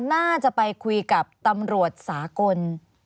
น่าจะไปคุยกับตำรวจสากล